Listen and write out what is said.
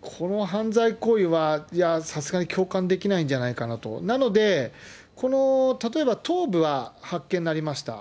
この犯罪行為は、さすがに共感できないんじゃないかなと、なので、例えば頭部は発見になりました。